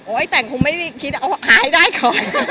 โอ้แอ้แตงไม่ที่ฆ่าได้เข้า